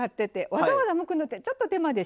わざわざむくのってちょっと手間でしょ。